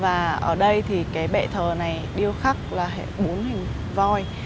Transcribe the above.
và ở đây thì cái bệ thờ này điêu khắc là hệ bốn hình voi